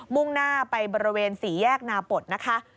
่งหน้าไปบริเวณสี่แยกนาปฏนะคะ